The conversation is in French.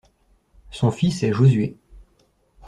Son fils est Josué.